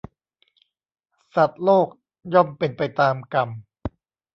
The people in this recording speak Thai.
สัตว์โลกย่อมเป็นไปตามกรรม